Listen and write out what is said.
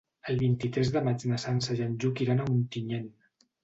El vint-i-tres de maig na Sança i en Lluc iran a Ontinyent.